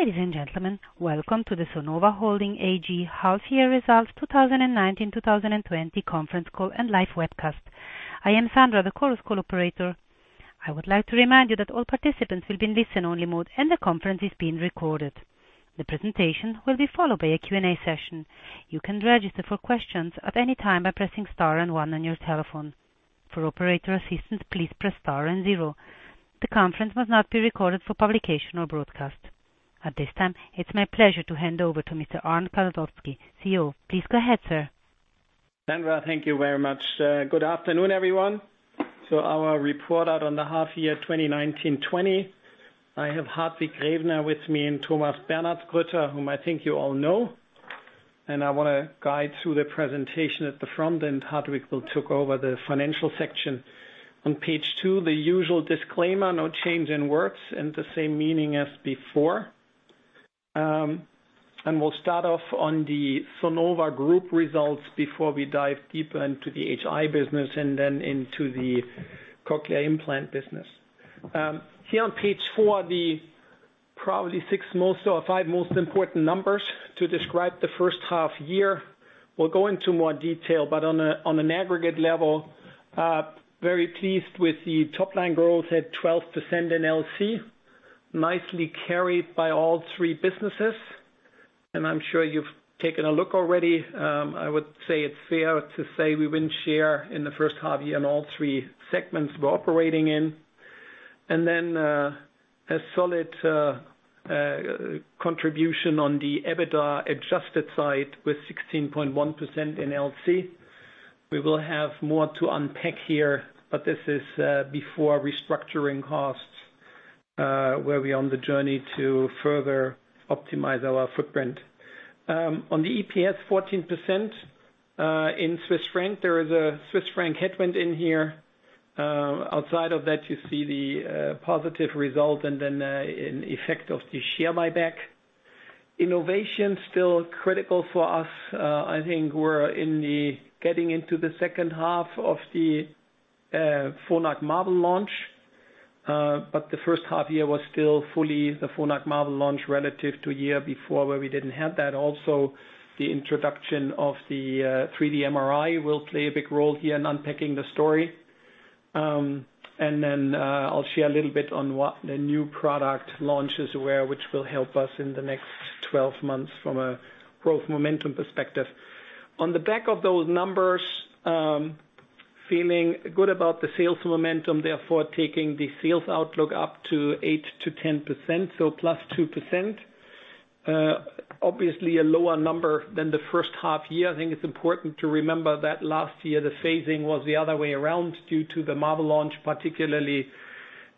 Ladies and gentlemen, welcome to the Sonova Holding AG Half-Year Results 2019/2020 conference call and live webcast. I am Sandra, the Chorus Call operator. I would like to remind you that all participants will be in listen only mode and the conference is being recorded. The presentation will be followed by a Q&A session. You can register for questions at any time by pressing star and one on your telephone. For operator assistance, please press star and zero. The conference must not be recorded for publication or broadcast. At this time, it's my pleasure to hand over to Mr. Arnd Kaldowski, CEO. Please go ahead, sir. Sandra, thank you very much. Good afternoon, everyone. Our report out on the half year 2019/20. I have Hartwig Grevener with me and Thomas Bernhardsgruetter, whom I think you all know. I want to guide through the presentation at the front and Hartwig will take over the financial section. On page two, the usual disclaimer, no change in words and the same meaning as before. We'll start off on the Sonova Group results before we dive deeper into the HI business and then into the cochlear implant business. Here on page four, the probably six most or five most important numbers to describe the first half year. We'll go into more detail, but on an aggregate level, very pleased with the top line growth at 12% in LC, nicely carried by all three businesses. I'm sure you've taken a look already. I would say it's fair to say we win share in the first half year in all three segments we're operating in. A solid contribution on the EBITDA adjusted side with 16.1% in LC. We will have more to unpack here, but this is before restructuring costs, where we're on the journey to further optimize our footprint. On the EPS 14% in CHF, there is a CHF headwind in here. Outside of that, you see the positive result and then an effect of the share buyback. Innovation's still critical for us. I think we're getting into the second half of the Phonak Marvel launch. The first half year was still fully the Phonak Marvel launch relative to year before where we didn't have that. The introduction of the 3D MRI will play a big role here in unpacking the story. I'll share a little bit on what the new product launches were, which will help us in the next 12 months from a growth momentum perspective. On the back of those numbers, feeling good about the sales momentum, taking the sales outlook up to 8%-10%, +2%. Obviously a lower number than the first half. I think it's important to remember that last year the phasing was the other way around due to the Marvel launch particularly.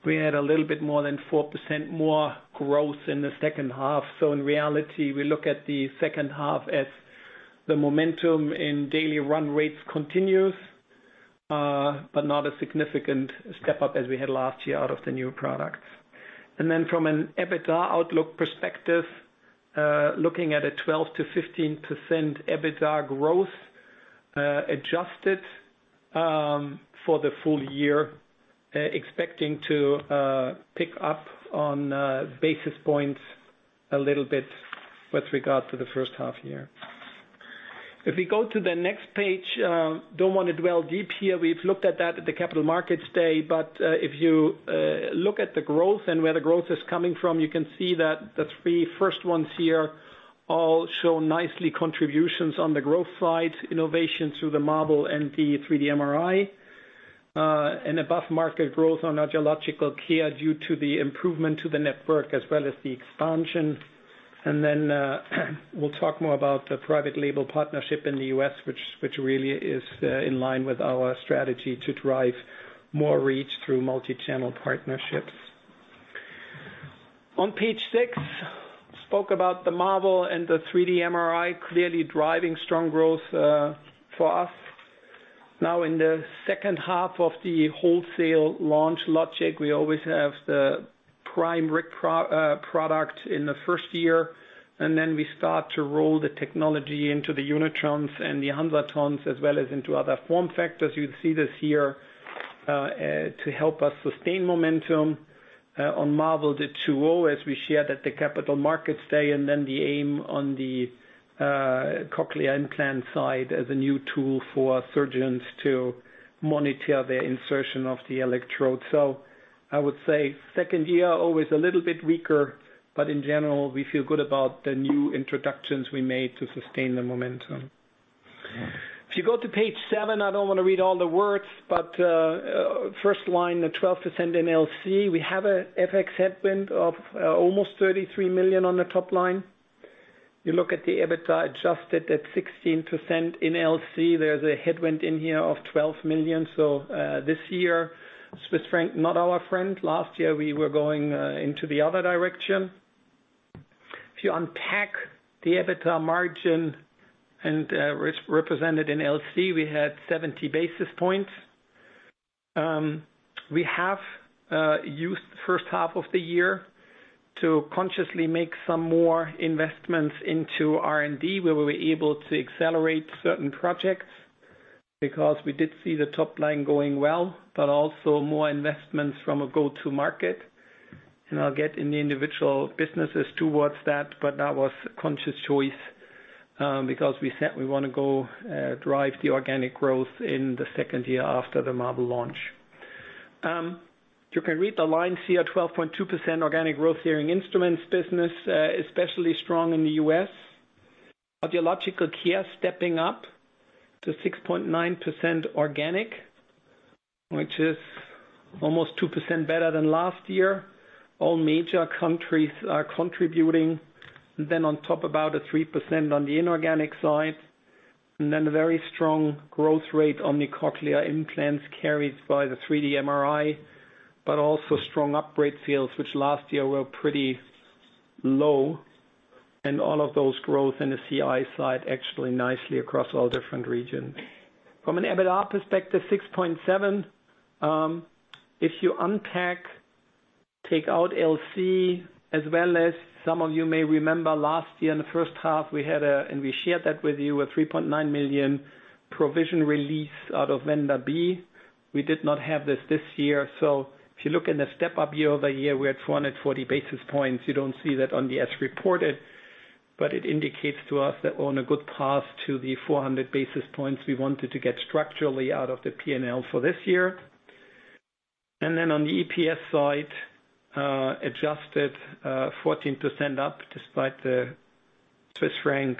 We had a little bit more than 4% more growth in the second half. In reality, we look at the second half as the momentum in daily run rates continues, but not a significant step up as we had last year out of the new products. From an EBITDA outlook perspective, looking at a 12%-15% EBITDA growth, adjusted, for the full year, expecting to pick up on basis points a little bit with regard to the first half year. If we go to the next page, don't want to dwell deep here. We've looked at that at the Capital Markets Day. If you look at the growth and where the growth is coming from, you can see that the three first ones here all show nicely contributions on the growth side, innovation through the Marvel and the 3D MRI, and above market growth on audiological care due to the improvement to the network as well as the expansion. We'll talk more about the private label partnership in the U.S., which really is in line with our strategy to drive more reach through multi-channel partnerships. On page six, spoke about the Marvel and the 3D MRI clearly driving strong growth for us. In the second half of the wholesale launch logic, we always have the prime product in the first year, and then we start to roll the technology into the Unitron and the HANSATON, as well as into other form factors. You'll see this here, to help us sustain momentum, on Marvel 2.0 as we shared at the Capital Markets Day, and then the aim on the cochlear implant side as a new tool for surgeons to monitor the insertion of the electrode. I would say second year, always a little bit weaker, but in general, we feel good about the new introductions we made to sustain the momentum. If you go to page seven, I don't want to read all the words, first line, the 12% in LC, we have a FX headwind of almost 33 million on the top line. You look at the EBITDA adjusted at 16% in LC. There's a headwind in here of 12 million. This year, Swiss franc not our friend. Last year, we were going into the other direction. If you unpack the EBITDA margin and represented in LC, we had 70 basis points. We have used first half of the year to consciously make some more investments into R&D, where we'll be able to accelerate certain projects, because we did see the top line going well, but also more investments from a go-to market. I'll get in the individual businesses towards that, but that was a conscious choice, because we said we want to go drive the organic growth in the second year after the Marvel launch. You can read the lines here, 12.2% organic growth hearing instruments business, especially strong in the U.S. Audiological care stepping up to 6.9% organic, which is almost 2% better than last year. All major countries are contributing. On top, about a 3% on the inorganic side, and then a very strong growth rate on the cochlear implants carried by the 3D MRI, but also strong upgrade sales, which last year were pretty low. All of those growth in the CI side actually nicely across all different regions. From an EBITDA perspective, 6.7. If you unpack, take out LC as well as some of you may remember last year in the first half, we had, and we shared that with you, a 3.9 million provision release out of Vendor B. We did not have this this year. If you look in the step-up year-over-year, we're at 440 basis points. You don't see that on the as reported, but it indicates to us that we're on a good path to the 400 basis points we wanted to get structurally out of the P&L for this year. On the EPS side, adjusted 14% up despite the Swiss franc.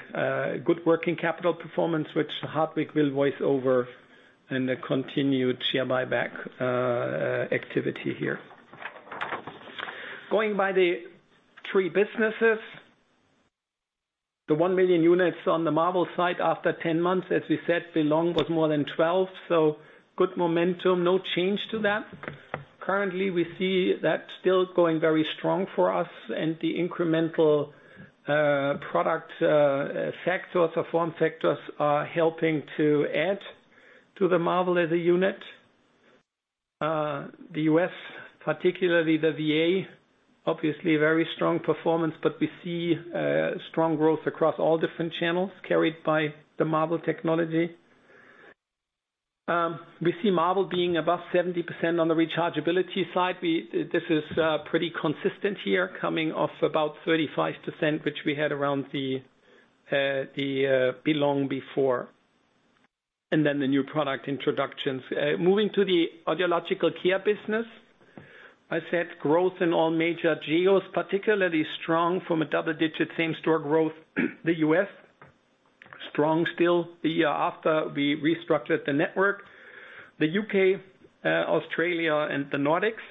Good working capital performance, which Hartwig will voice over in the continued share buyback activity here. Going by the three businesses, the 1 million units on the Marvel side after 10 months, as we said, Belong was more than 12, good momentum, no change to that. Currently, we see that still going very strong for us, the incremental product factors or form factors are helping to add to the Marvel as a unit. The U.S., particularly the VA, obviously very strong performance, we see strong growth across all different channels carried by the Marvel technology. We see Marvel being above 70% on the rechargeability side. This is pretty consistent here, coming off about 35%, which we had around the Belong before. The new product introductions. Moving to the audiological care business. I said growth in all major geos, particularly strong from a double-digit same store growth. The U.S., strong still the year after we restructured the network. The U.K., Australia, and the Nordics.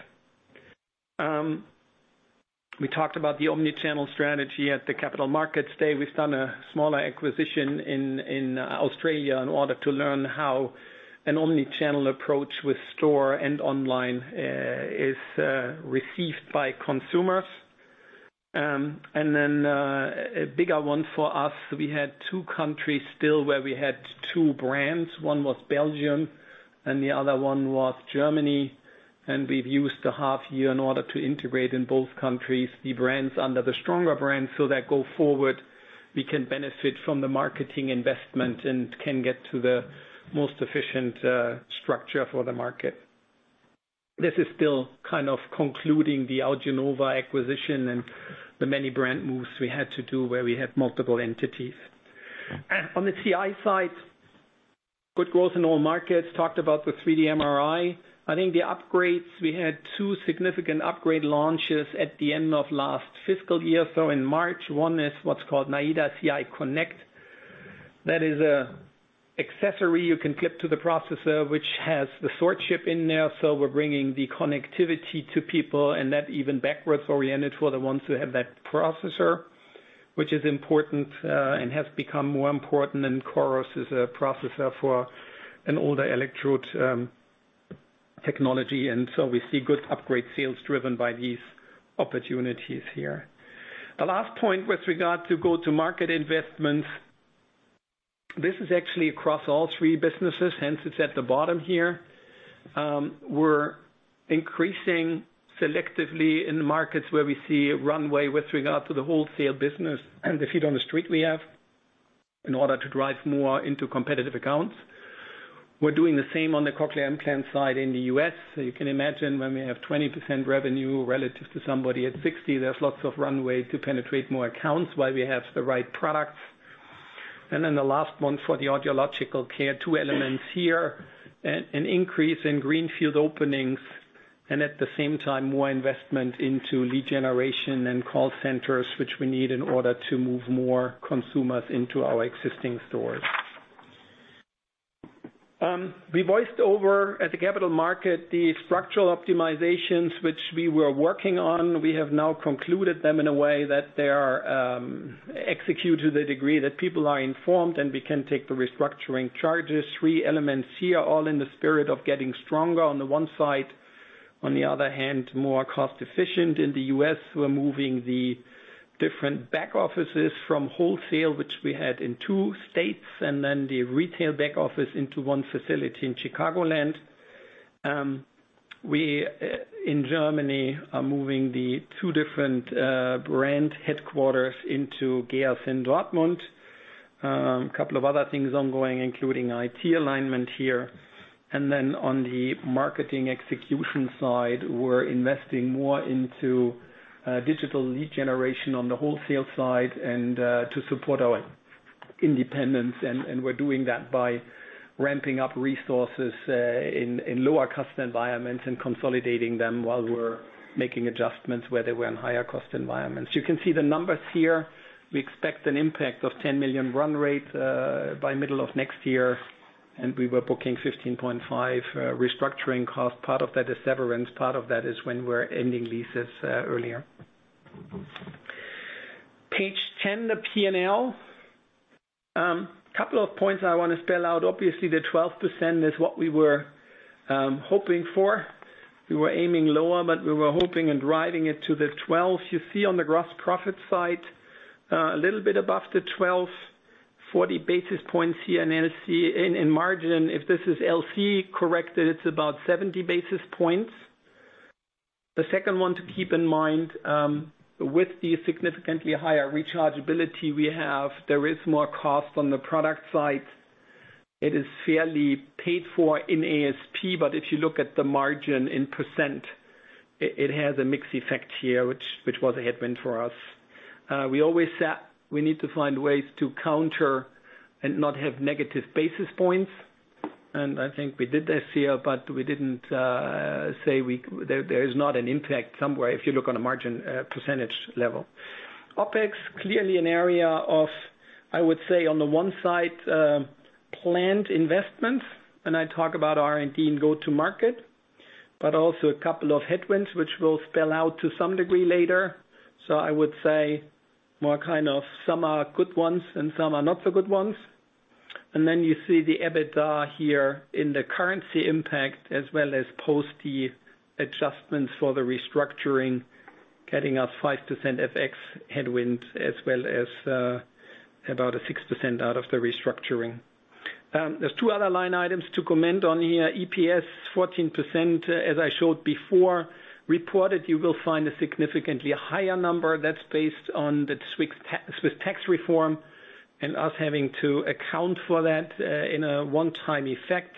We talked about the omni-channel strategy at the Capital Markets Day. We've done a smaller acquisition in Australia in order to learn how an omni-channel approach with store and online is received by consumers. A bigger one for us, we had two countries still where we had two brands. One was Belgium and the other one was Germany, we've used the half year in order to integrate in both countries the brands under the stronger brand so that go forward, we can benefit from the marketing investment and can get to the most efficient structure for the market. This is still kind of concluding the AudioNova acquisition and the many brand moves we had to do where we had multiple entities. On the CI side, good growth in all markets. We talked about the 3D MRI. I think the upgrades, we had two significant upgrade launches at the end of last fiscal year, so in March. One is what's called Naída CI Connect. That is an accessory you can clip to the processor, which has the SWORD chip in there, so we're bringing the connectivity to people and that even backwards oriented for the ones who have that processor, which is important and has become more important than Chorus as a processor for an older electrode technology, and so we see good upgrade sales driven by these opportunities here. The last point with regard to go-to-market investments, this is actually across all three businesses, hence it's at the bottom here. We're increasing selectively in the markets where we see runway with regard to the wholesale business and the feet on the street we have in order to drive more into competitive accounts. We're doing the same on the cochlear implant side in the U.S., so you can imagine when we have 20% revenue relative to somebody at 60%, there's lots of runway to penetrate more accounts while we have the right products. The last one for the audiological care, two elements here. An increase in greenfield openings, and at the same time, more investment into lead generation and call centers, which we need in order to move more consumers into our existing stores. We voiced over at the capital market the structural optimizations which we were working on. We have now concluded them in a way that they are executed to a degree that people are informed, and we can take the restructuring charges. Three elements here, all in the spirit of getting stronger on the one side, on the other hand, more cost efficient in the U.S. We're moving the different back offices from wholesale, which we had in two states, and then the retail back office into one facility in Chicagoland. We, in Germany, are moving the two different brand headquarters into GEERS in Dortmund. A couple of other things ongoing, including IT alignment here. On the marketing execution side, we're investing more into digital lead generation on the wholesale side and to support our independence. We're doing that by ramping up resources in lower-cost environments and consolidating them while we're making adjustments where they were in higher cost environments. You can see the numbers here. We expect an impact of 10 million run rate by middle of next year, and we were booking 15.5 restructuring cost. Part of that is severance. Part of that is when we're ending leases earlier. Page 10, the P&L. Couple of points I want to spell out. Obviously, the 12% is what we were hoping for. We were aiming lower, but we were hoping and driving it to the 12. You see on the gross profit side, a little bit above the 12, 40 basis points here in margin, if this is LC corrected, it's about 70 basis points. The second one to keep in mind, with the significantly higher rechargeability we have, there is more cost on the product side. It is fairly paid for in ASP, but if you look at the margin in %, it has a mix effect here, which was a headwind for us. We always said we need to find ways to counter and not have negative basis points, and I think we did this here, but we didn't say there is not an impact somewhere if you look on a margin percentage level. OpEx, clearly an area of, I would say on the one side, planned investments. I talk about R&D and go-to-market, also a couple of headwinds which we will spell out to some degree later. I would say more kind of some are good ones and some are not so good ones. You see the EBITDA here in the currency impact as well as post the adjustments for the restructuring, getting us 5% FX headwind as well as about a 6% out of the restructuring. There's two other line items to comment on here. EPS, 14%, as I showed before. Reported, you will find a significantly higher number that's based on the Swiss tax reform and us having to account for that in a one-time effect,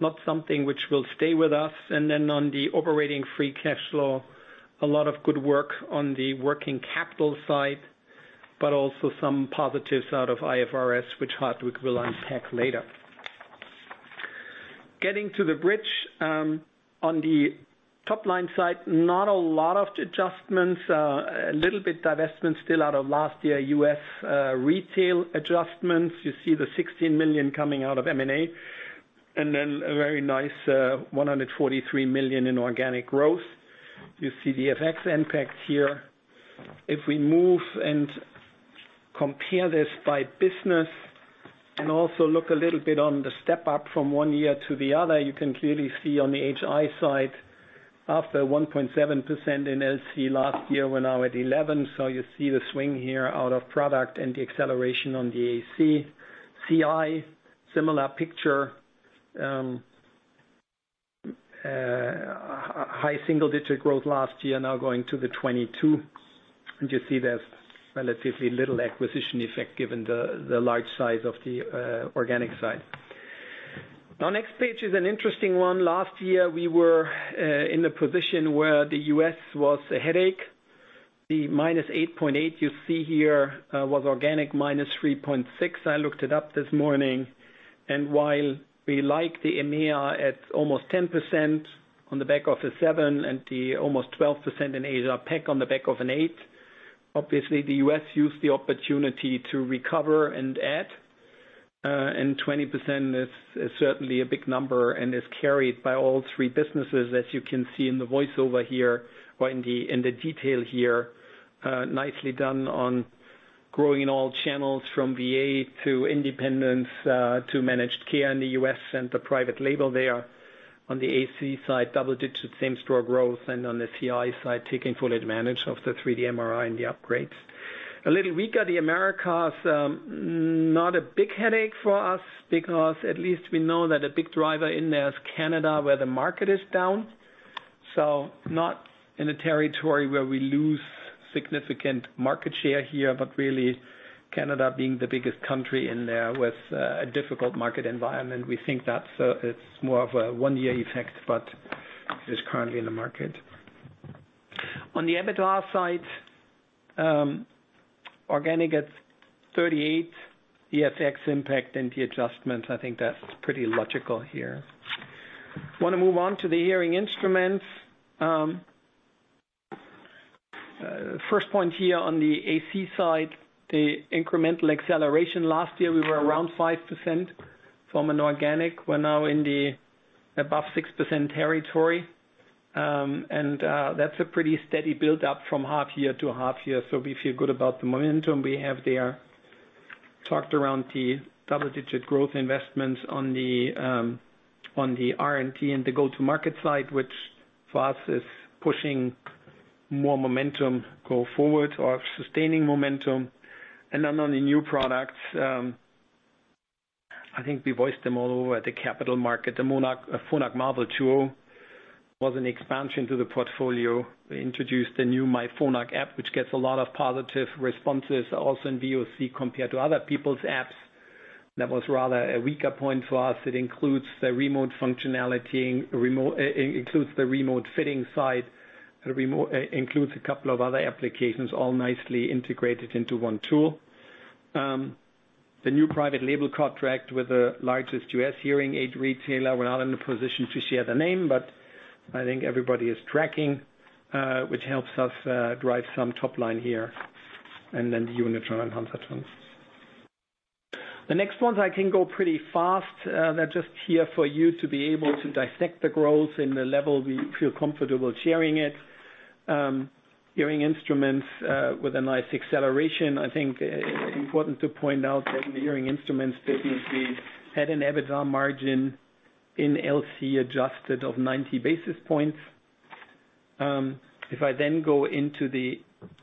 not something which will stay with us. On the operating free cash flow, a lot of good work on the working capital side, but also some positives out of IFRS, which Hartwig will unpack later. Getting to the bridge, on the top-line side, not a lot of adjustments. A little bit divestment still out of last year U.S. retail adjustments. You see the 16 million coming out of M&A, a very nice 143 million in organic growth. You see the FX impact here. If we move and compare this by business and also look a little bit on the step up from one year to the other, you can clearly see on the HI side, after 1.7% in LC last year, we're now at 11%, so you see the swing here out of product and the acceleration on the AC. CI, similar picture. High single-digit growth last year, now going to the 22%. You see there's relatively little acquisition effect given the large size of the organic side. Next page is an interesting one. Last year, we were in the position where the U.S. was a headache. The -8.8 you see here was organic -3.6. I looked it up this morning. While we like the EMEA at almost 10% on the back of a seven and the almost 12% in Asia Pac on the back of an eight, obviously the U.S. used the opportunity to recover and add, and 20% is certainly a big number and is carried by all three businesses, as you can see in the voiceover here or in the detail here. Nicely done on growing all channels from VA to independents to managed care in the U.S. and the private label there. On the AC side, double-digit same-store growth, and on the CI side, taking full advantage of the 3D MRI and the upgrades. A little weaker, the Americas, not a big headache for us because at least we know that a big driver in there is Canada where the market is down. Not in a territory where we lose significant market share here, but really Canada being the biggest country in there with a difficult market environment. We think that it's more of a one-year effect, but it is currently in the market. On the EBITDA side, organic at 38%, the FX impact and the adjustment, I think that's pretty logical here. Want to move on to the hearing instruments. First point here on the AC side, the incremental acceleration. Last year, we were around 5% from an organic. We're now in the above 6% territory. That's a pretty steady build up from half year to half year, so we feel good about the momentum we have there. Talked around the double-digit growth investments on the R&D and the go-to-market side, which for us is pushing more momentum go forward or sustaining momentum. On the new products. I think we voiced them all over at the capital market. The Phonak Marvel 2.0 was an expansion to the portfolio. We introduced the new myPhonak app, which gets a lot of positive responses also in VOC compared to other people's apps. That was rather a weaker point for us. It includes the remote fitting side, includes a couple of other applications all nicely integrated into one tool. The new private label contract with the largest U.S. hearing aid retailer, we're not in a position to share the name, but I think everybody is tracking, which helps us drive some top line here, and then the Unitron and HANSATON. The next ones I can go pretty fast. They're just here for you to be able to dissect the growth in the level we feel comfortable sharing it. Hearing instruments with a nice acceleration. I think important to point out that in the hearing instruments business, we had an EBITDA margin in LC adjusted of 90 basis points. If I then go into the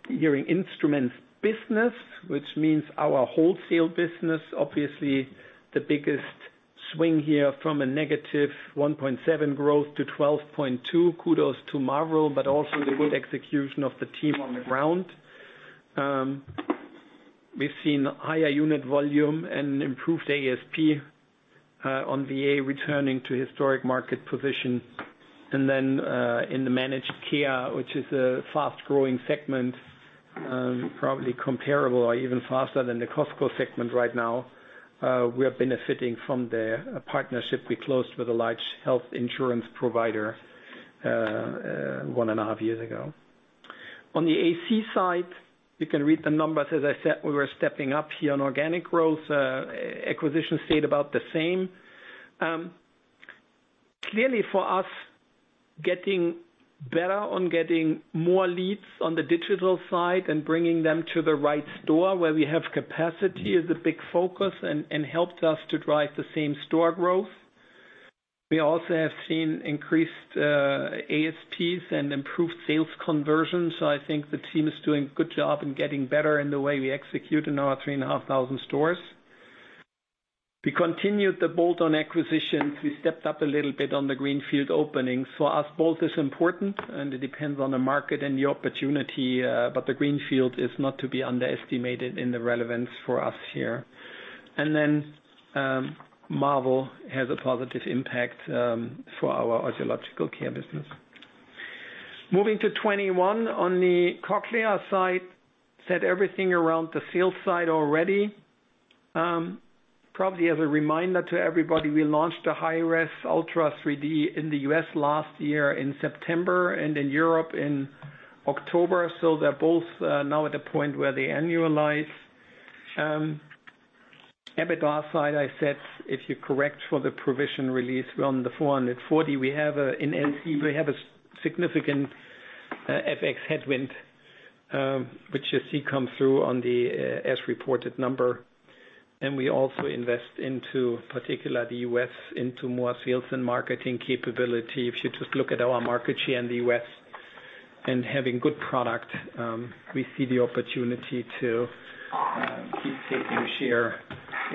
hearing instruments business, which means our wholesale business, obviously the biggest swing here from a -1.7% growth to 12.2%, kudos to Marvel, but also the good execution of the team on the ground. We've seen higher unit volume and improved ASP on VA returning to historic market position. In the managed care, which is a fast-growing segment, probably comparable or even faster than the Costco segment right now. We are benefiting from the partnership we closed with a large health insurance provider one and a half years ago. On the AC side, you can read the numbers. As I said, we were stepping up here on organic growth. Acquisitions stayed about the same. Clearly for us, getting better on getting more leads on the digital side and bringing them to the right store where we have capacity is a big focus and helped us to drive the same store growth. We also have seen increased ASPs and improved sales conversions. I think the team is doing a good job in getting better in the way we execute in our 3,500 stores. We continued the bolt-on acquisitions. We stepped up a little bit on the greenfield openings. For us, both is important, and it depends on the market and the opportunity, but the greenfield is not to be underestimated in the relevance for us here. Marvel has a positive impact for our audiological care business. Moving to 2021 on the Cochlear side, said everything around the sales side already. Probably as a reminder to everybody, we launched the HiRes Ultra 3D in the U.S. last year in September and in Europe in October. They're both now at the point where they annualize. EBITDA side, I said if you correct for the provision release on the 440, we have a significant FX headwind, which you see come through on the as-reported number. We also invest into, particularly the U.S., into more S&M capability. If you just look at our market share in the U.S. and having good product, we see the opportunity to keep taking share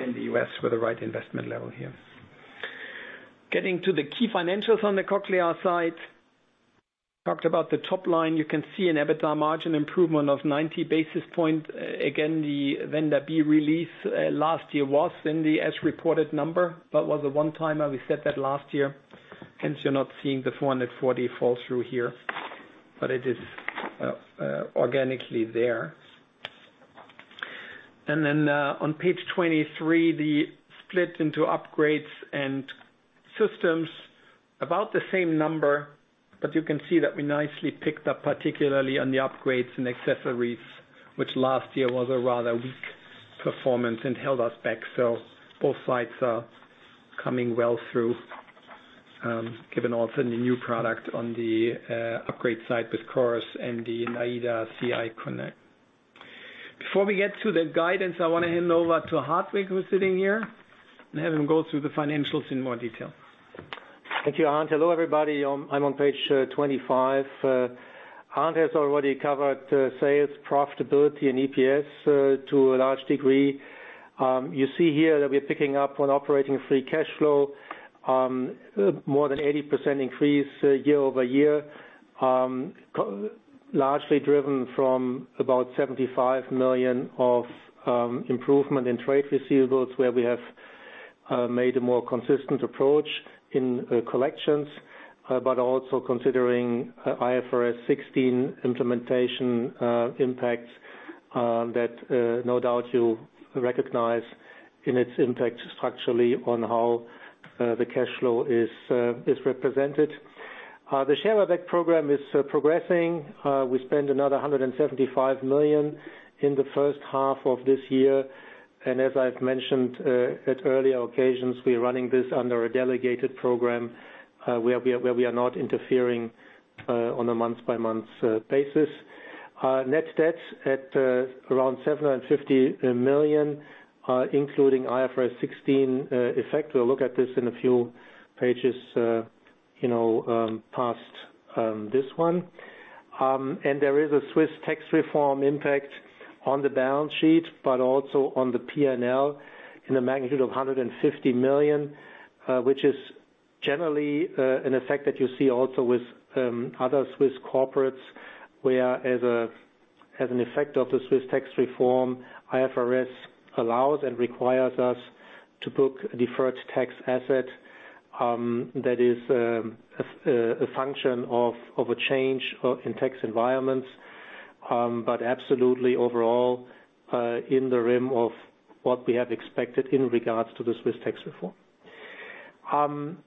in the U.S. with the right investment level here. Getting to the key financials on the Cochlear side, talked about the top line. You can see an EBITDA margin improvement of 90 basis point. Again, the Vendor B release last year was in the as-reported number, but was a one-timer. We said that last year. Hence, you're not seeing the 440 fall through here, but it is organically there. On page 23, the split into upgrades and systems about the same number, but you can see that we nicely picked up, particularly on the upgrades and accessories, which last year was a rather weak performance and held us back. Both sides are coming well through, given also the new product on the upgrade side with Chorus and the Naída CI Connect. Before we get to the guidance, I want to hand over to Hartwig, who's sitting here, and have him go through the financials in more detail. Thank you, Arnd. Hello, everybody. I'm on page 25. Arnd has already covered sales, profitability, and EPS to a large degree. You see here that we're picking up on operating free cash flow, more than 80% increase year-over-year, largely driven from about 75 million of improvement in trade receivables where we have made a more consistent approach in collections, but also considering IFRS 16 implementation impact that no doubt you'll recognize in its impact structurally on how the cash flow is represented. The share buyback program is progressing. We spent another 175 million in the first half of this year. As I've mentioned at earlier occasions, we are running this under a delegated program where we are not interfering on a month-by-month basis. Net debt at around 750 million, including IFRS 16 effect. We'll look at this in a few pages past this one. There is a Swiss tax reform impact on the balance sheet, but also on the P&L in a magnitude of 150 million, which is generally an effect that you see also with other Swiss corporates, where as an effect of the Swiss tax reform, IFRS allows and requires us to book a deferred tax asset that is a function of a change in tax environments, but absolutely overall, in the realm of what we have expected in regards to the Swiss tax reform.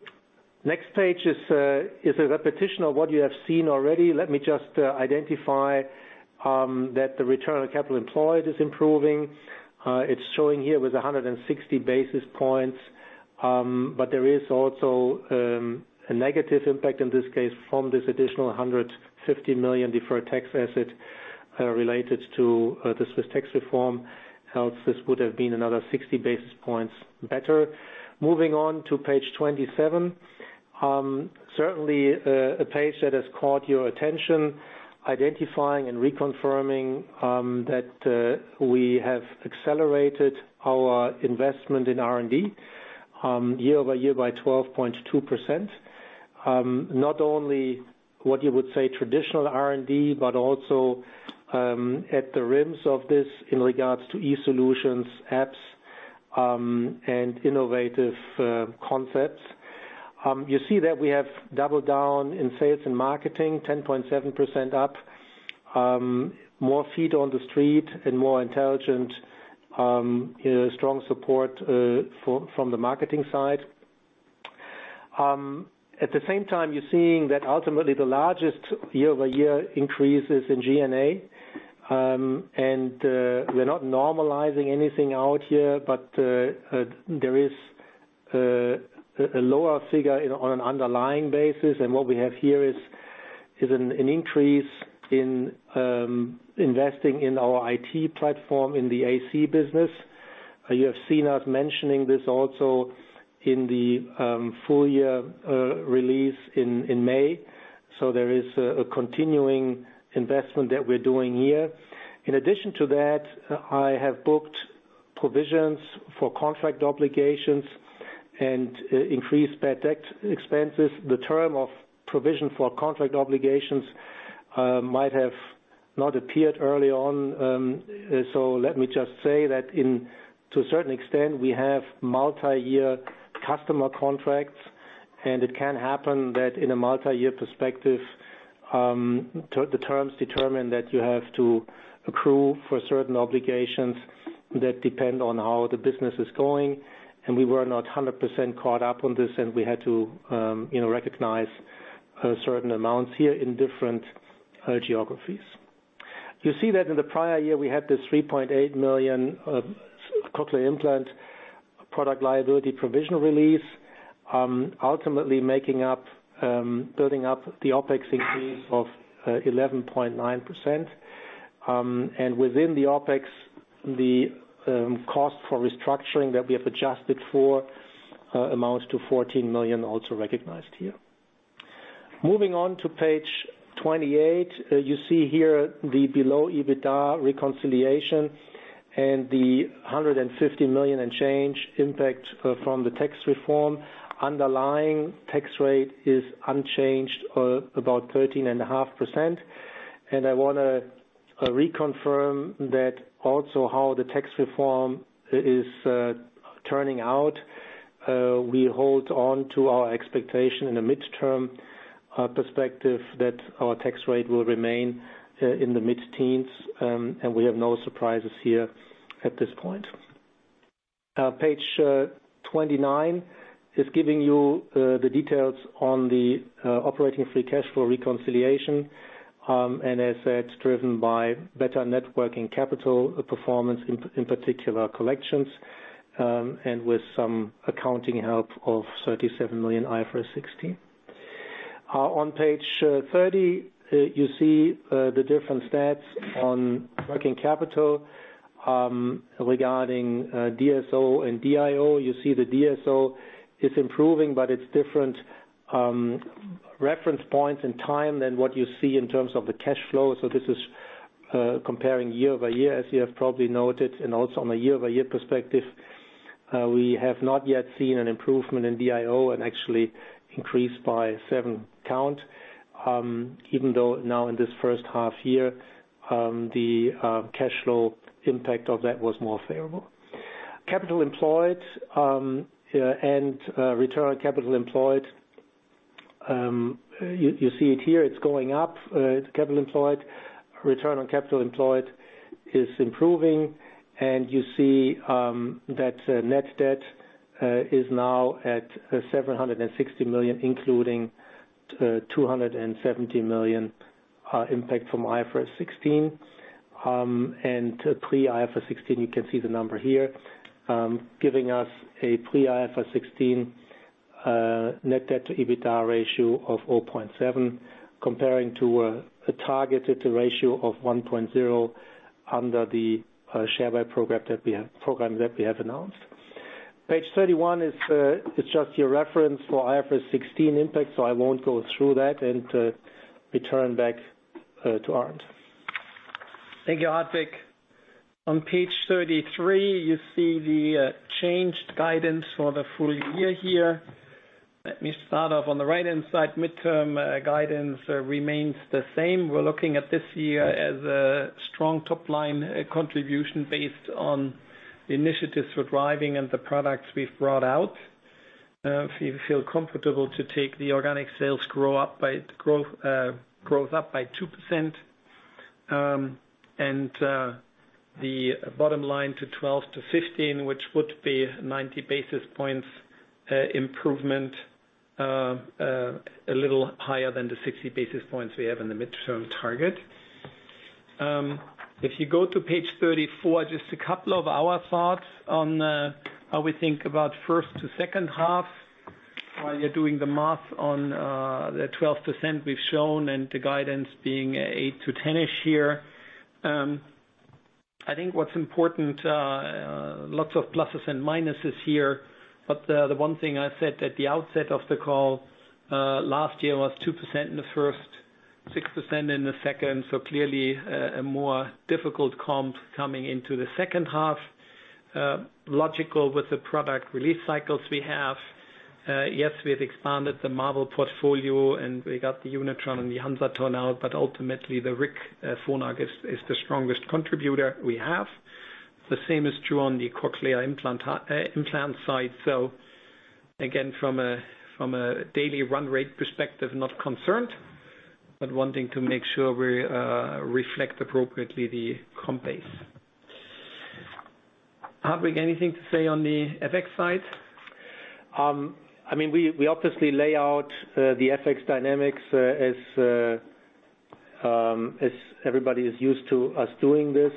Next page is a repetition of what you have seen already. Let me just identify that the return on capital employed is improving. It's showing here with 160 basis points, but there is also a negative impact in this case from this additional 150 million deferred tax asset related to the Swiss tax reform. Else, this would have been another 60 basis points better. Moving on to page 27. Certainly, a page that has caught your attention, identifying and reconfirming that we have accelerated our investment in R&D year-over-year by 12.2%. Not only what you would say traditional R&D, but also at the rims of this in regards to e-solutions, apps, and innovative concepts. You see that we have doubled down in Sales & Marketing, 10.7% up. More feet on the street and more intelligent, strong support from the marketing side. At the same time, you are seeing that ultimately the largest year-over-year increase is in G&A. And we are not normalizing anything out here, but there is a lower figure on an underlying basis. And what we have here is an increase in investing in our IT platform in the AC business. You have seen us mentioning this also in the full year release in May. There is a continuing investment that we're doing here. In addition to that, I have booked provisions for contract obligations and increased bad debt expenses. The term of provision for contract obligations might have not appeared early on. Let me just say that to a certain extent, we have multi-year customer contracts, and it can happen that in a multi-year perspective, the terms determine that you have to accrue for certain obligations that depend on how the business is going, and we were not 100% caught up on this, and we had to recognize certain amounts here in different geographies. You see that in the prior year, we had this 3.8 million cochlear implant product liability provision release, ultimately making up, building up the OpEx increase of 11.9%. Within the OpEx, the cost for restructuring that we have adjusted for amounts to 14 million also recognized here. Moving on to page 28. You see here the below EBITDA reconciliation and the 150 million and change impact from the Swiss tax reform. Underlying tax rate is unchanged or about 13.5%. I want to reconfirm that also how the Swiss tax reform is turning out. We hold on to our expectation in a midterm perspective that our tax rate will remain in the mid-teens, and we have no surprises here at this point. Page 29 is giving you the details on the operating free cash flow reconciliation, and as said, driven by better networking capital performance, in particular, collections, and with some accounting help of 37 million IFRS 16. On page 30, you see the different stats on working capital regarding DSO and DIO. You see the DSO is improving, but it's different reference points in time than what you see in terms of the cash flow. This is comparing year-over-year, as you have probably noted, and also on a year-over-year perspective. We have not yet seen an improvement in DIO and actually increased by seven count, even though now in this first half year, the cash flow impact of that was more favorable. Capital employed and return on capital employed, you see it here, it's going up. Capital employed, return on capital employed is improving, and you see that net debt is now at 760 million, including 270 million impact from IFRS 16. Pre-IFRS 16, you can see the number here, giving us a pre-IFRS 16 net debt to EBITDA ratio of 0.7 comparing to a targeted ratio of 1.0 under the share buy program that we have announced. Page 31 is just your reference for IFRS 16 impact, so I won't go through that, and return back to Arnd. Thank you, Hartwig. On page 33, you see the changed guidance for the full year here. Let me start off on the right-hand side. Midterm guidance remains the same. We're looking at this year as a strong top-line contribution based on initiatives we're driving and the products we've brought out. We feel comfortable to take the organic sales growth up by 2%, the bottom line to 12%-15%, which would be 90 basis points improvement, a little higher than the 60 basis points we have in the midterm target. If you go to page 34, just a couple of our thoughts on how we think about first to second half, while you're doing the math on the 12% we've shown and the guidance being 8%-10% here. I think what's important, lots of pluses and minuses here, but the one thing I said at the outset of the call, last year was 2% in the first, 6% in the second. Clearly, a more difficult comp coming into the second half. Logical with the product release cycles we have. Yes, we have expanded the Marvel portfolio, and we got the Unitron and the HANSATON out, but ultimately the RIC Phonak is the strongest contributor we have. The same is true on the cochlear implant side. Again, from a daily run rate perspective, not concerned, but wanting to make sure we reflect appropriately the comp base. Hartwig, anything to say on the FX side? We obviously lay out the FX dynamics as everybody is used to us doing this.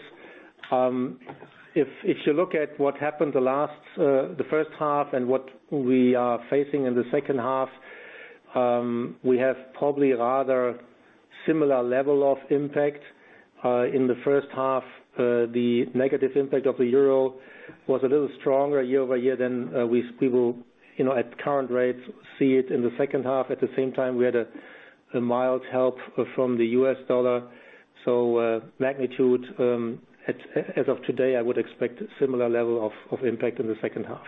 If you look at what happened the first half and what we are facing in the second half, we have probably a rather similar level of impact. In the first half, the negative impact of the euro was a little stronger year-over-year than we will, at current rates, see it in the second half. At the same time, we had a mild help from the U.S. dollar. Magnitude, as of today, I would expect similar level of impact in the second half.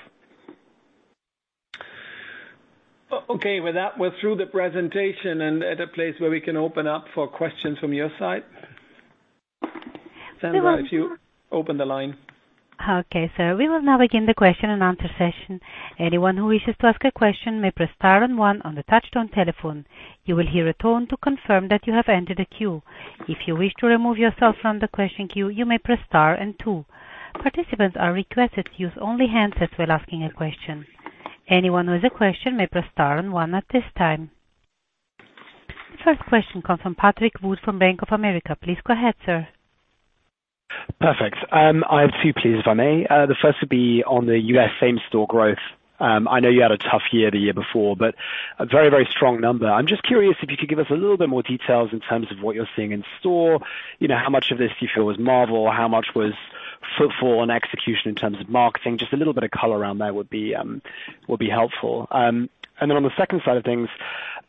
Okay. With that, we're through the presentation and at a place where we can open up for questions from your side. Sandra, if you open the line. Okay, sir. We will now begin the question and answer session. Anyone who wishes to ask a question may press star and one on the touchtone telephone. You will hear a tone to confirm that you have entered a queue. If you wish to remove yourself from the question queue, you may press star and two. Participants are requested to use only handsets while asking a question. Anyone who has a question may press star and one at this time. The first question comes from Patrick Wood from Bank of America. Please go ahead, sir. Perfect. I have two, please, if I may. The first would be on the U.S. same-store growth. I know you had a tough year the year before, but a very, very strong number. I'm just curious if you could give us a little bit more details in terms of what you're seeing in store. How much of this do you feel was Marvel? How much was footfall and execution in terms of marketing? Just a little bit of color around that would be helpful. On the second side of things,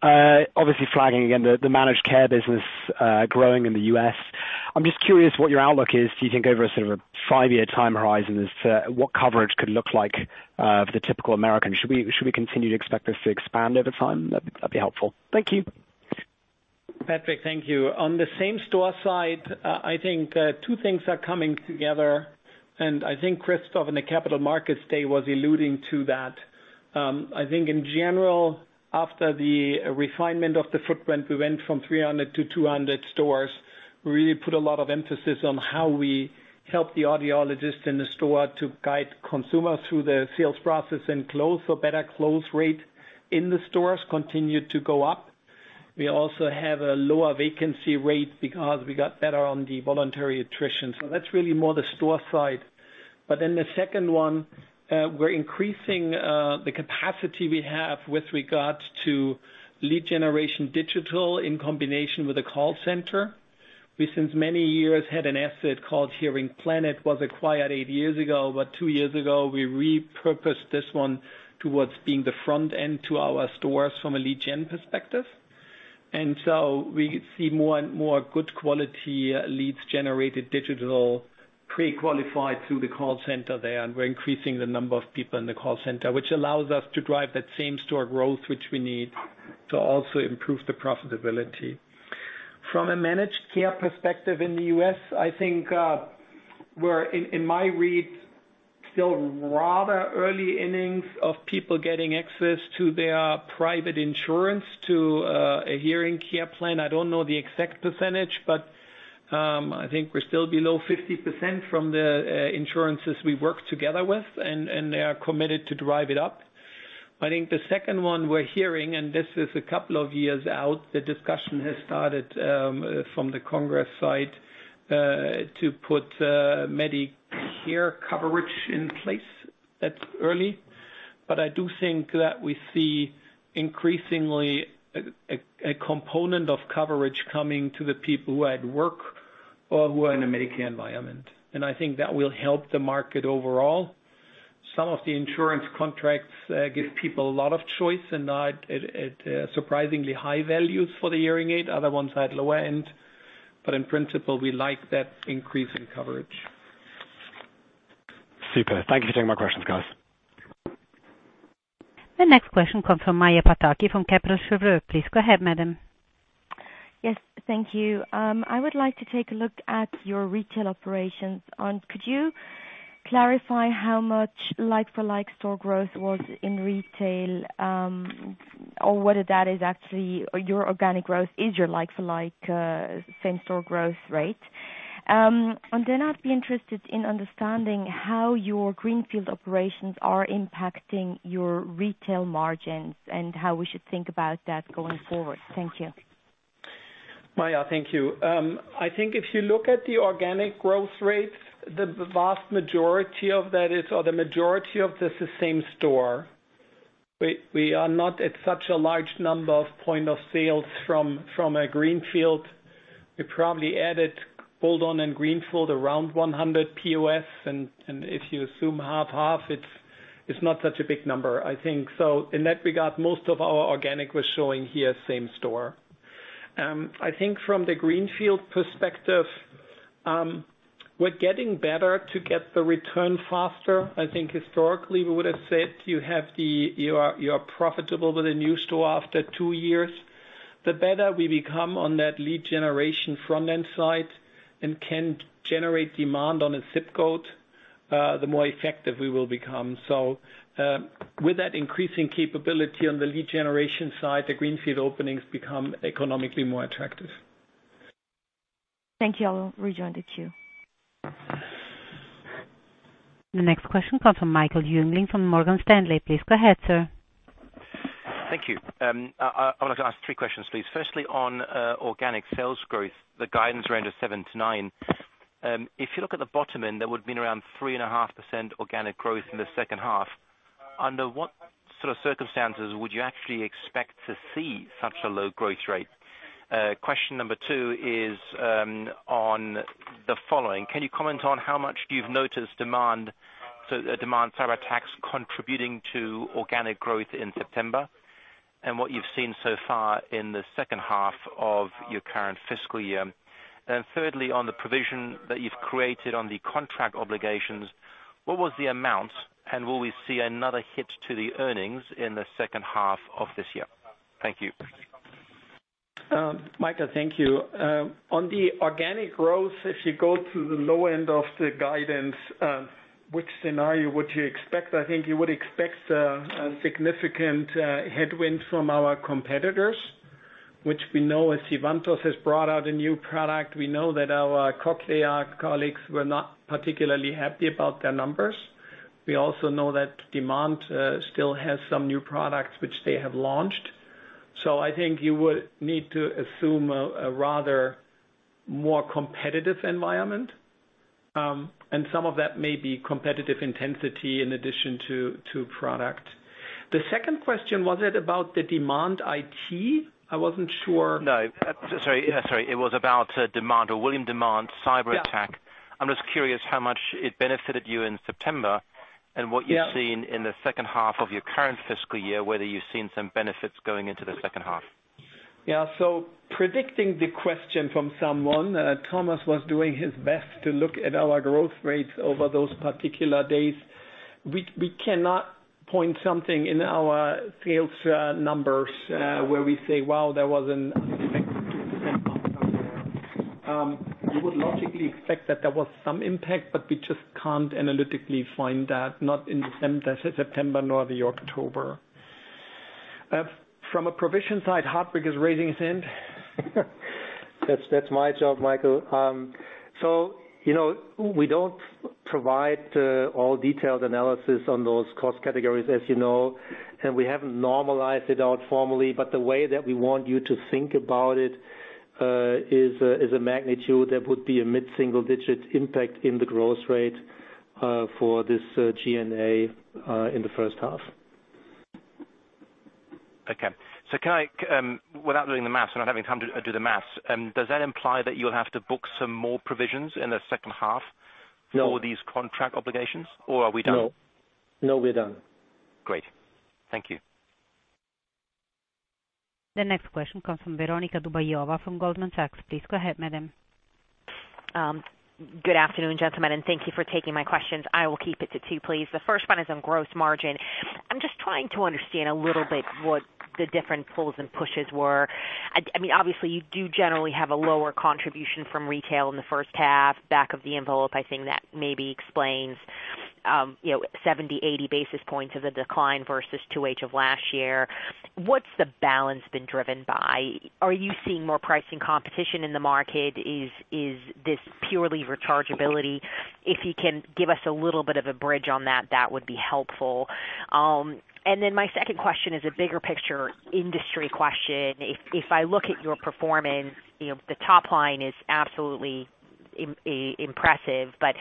obviously flagging again the managed care business growing in the U.S. I'm just curious what your outlook is. Do you think over a sort of a five-year time horizon as to what coverage could look like for the typical American? Should we continue to expect this to expand over time? That'd be helpful. Thank you. Patrick, thank you. On the same store side, I think two things are coming together, and I think Christoph in the Capital Markets Day was alluding to that. I think in general, after the refinement of the footprint, we went from 300 to 200 stores. We really put a lot of emphasis on how we help the audiologists in the store to guide consumers through the sales process and close for better close rate in the stores continue to go up. We also have a lower vacancy rate because we got better on the voluntary attrition. That's really more the store side. The second one, we're increasing the capacity we have with regards to lead generation digital in combination with a call center. We, since many years, had an asset called HearingPlanet, was acquired eight years ago, but two years ago, we repurposed this one towards being the front end to our stores from a lead gen perspective. We see more and more good quality leads generated digital, pre-qualified through the call center there. We're increasing the number of people in the call center, which allows us to drive that same store growth, which we need to also improve the profitability. From a managed care perspective in the U.S., I think we're, in my read, still rather early innings of people getting access to their private insurance to a hearing care plan. I don't know the exact percentage, but I think we're still below 50% from the insurances we work together with, and they are committed to drive it up. I think the second one we're hearing, this is a couple of years out, the discussion has started from the Congress side to put Medicare coverage in place. That's early. I do think that we see increasingly a component of coverage coming to the people who had work or who are in a Medicare environment. I think that will help the market overall. Some of the insurance contracts give people a lot of choice and surprisingly high values for the hearing aid, other ones at lower end, but in principle, we like that increase in coverage. Super. Thank you for taking my questions, guys. The next question comes from Maja Pataki from Kepler Cheuvreux. Please go ahead, madam. Yes. Thank you. I would like to take a look at your retail operations, and could you clarify how much like-for-like store growth was in retail? Whether that is actually your organic growth is your like-for-like same-store growth rate? I'd be interested in understanding how your greenfield operations are impacting your retail margins and how we should think about that going forward. Thank you. Maja, thank you. I think if you look at the organic growth rate, the vast majority of that is, or the majority of this is same store. We are not at such a large number of point of sales from a greenfield. We probably added, bolt-on and greenfield, around 100 POS and if you assume half/half, it's not such a big number, I think. In that regard, most of our organic was showing here same store. I think from the greenfield perspective, we're getting better to get the return faster. I think historically we would've said you are profitable with a new store after two years. The better we become on that lead generation front-end side and can generate demand on a ZIP code, the more effective we will become. With that increasing capability on the lead generation side, the greenfield openings become economically more attractive. Thank you. I will rejoin the queue. The next question comes from Michael Jüngling from Morgan Stanley. Please go ahead, sir. Thank you. I would like to ask three questions, please. Firstly, on organic sales growth, the guidance range of 7%-9%. If you look at the bottom end, that would've been around 3.5% organic growth in the second half. Under what sort of circumstances would you actually expect to see such a low growth rate? Question number two is on the following. Can you comment on how much you've noticed Demant, sorry, a demand cyber attack contributing to organic growth in September? What you've seen so far in the second half of your current fiscal year. Thirdly, on the provision that you've created on the contract obligations, what was the amount and will we see another hit to the earnings in the second half of this year? Thank you. Michael, thank you. On the organic growth, if you go to the low end of the guidance, which scenario would you expect? I think you would expect a significant headwind from our competitors, which we know as Sivantos has brought out a new product. We know that our Cochlear colleagues were not particularly happy about their numbers. We also know that Demant still has some new products which they have launched. I think you would need to assume a rather more competitive environment. Some of that may be competitive intensity in addition to product. The second question, was it about the Demant IT? I wasn't sure. No. Sorry. It was about Demant or William Demant cyber attack. Yeah. I'm just curious how much it benefited you in September and what you've seen in the second half of your current fiscal year, whether you've seen some benefits going into the second half. Yeah. Predicting the question from someone, Thomas was doing his best to look at our growth rates over those particular days. We cannot point something in our sales numbers, where we say, "Wow, there was an unexpected 2% bump somewhere." You would logically expect that there was some impact, but we just can't analytically find that, not in September nor the October. From a provision side, Hartwig is raising his hand. That's my job, Michael. We don't provide all detailed analysis on those cost categories, as you know, and we haven't normalized it out formally, but the way that we want you to think about it, is a magnitude that would be a mid-single-digit impact in the growth rate, for this G&A in the first half. Okay. Can I, without doing the math, I'm not having time to do the math, does that imply that you'll have to book some more provisions in the second half? No for these contract obligations? Are we done? No. No, we're done. Great. Thank you. The next question comes from Veronika Dubajova from Goldman Sachs. Please go ahead, madam. Good afternoon, gentlemen, and thank you for taking my questions. I will keep it to two, please. The first one is on gross margin. I'm just trying to understand a little bit what the different pulls and pushes were. Obviously, you do generally have a lower contribution from retail in the first half, back of the envelope, I think that maybe explains, 70, 80 basis points of the decline versus 2H of last year. What's the balance been driven by? Are you seeing more pricing competition in the market? Is this purely rechargeability? If you can give us a little bit of a bridge on that would be helpful. Then my second question is a bigger picture industry question. If I look at your performance, the top line is absolutely impressive, but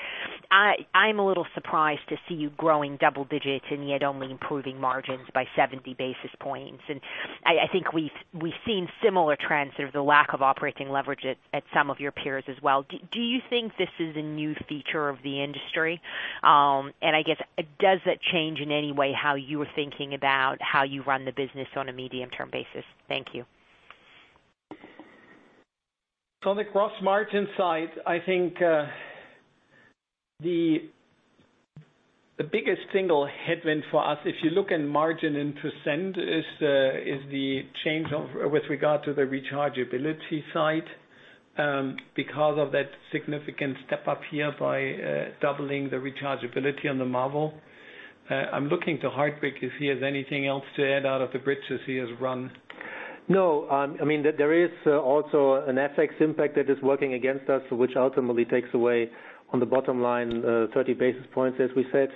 I'm a little surprised to see you growing double digits and yet only improving margins by 70 basis points. I think we've seen similar trends. There's a lack of operating leverage at some of your peers as well. Do you think this is a new feature of the industry? I guess, does it change in any way how you are thinking about how you run the business on a medium-term basis? Thank you. On the gross margin side, I think the biggest single headwind for us, if you look in margin in percent, is the change with regard to the rechargeability side, because of that significant step up here by doubling the rechargeability on the Marvel. I'm looking to Hartwig if he has anything else to add out of the bridges he has run. There is also an FX impact that is working against us, which ultimately takes away on the bottom line, 30 basis points, as we said.